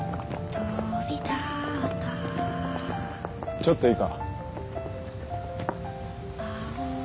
ちょっといいか。